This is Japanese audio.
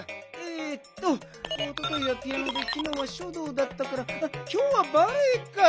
えっとおとといはピアノできのうはしょどうだったからきょうはバレエか！